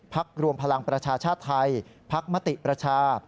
พรรภ์รวมพลังประชาชน์ไทยพรรภ์มติประชา